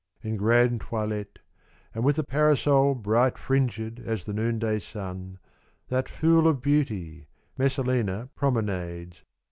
In grand toilette, and with a parasol Bright fringed as the noonday sun, that fool Of beauty, — Messalina promenades.